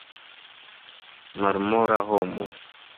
Malmola homo.